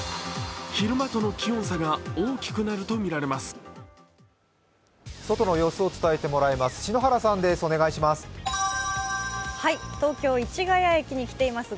昼間との気温差が大きくなるとみられます。